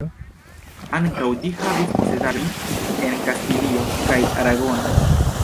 Ankaŭ ĝi havis posedaĵojn en Kastilio kaj Aragono.